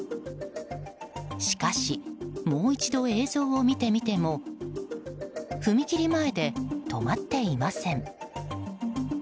しかし、もう一度映像を見てみても踏切前で止まっていません。